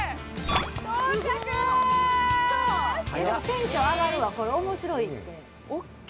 テンション上がるわこれ面白いって。